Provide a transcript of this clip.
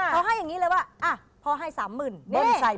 เขาให้อย่างนี้เลยว่าพ่อให้๓๐๐๐